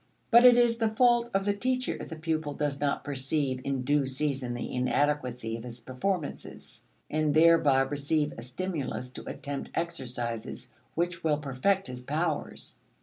But it is the fault of the teacher if the pupil does not perceive in due season the inadequacy of his performances, and thereby receive a stimulus to attempt exercises which will perfect his powers.